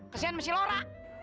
kesian masih lora